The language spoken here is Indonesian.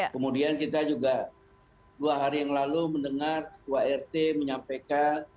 kemudian kita juga dua hari yang lalu mendengar ketua rt menyampaikan